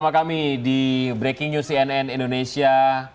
bersama kami di breaking news cnn indonesia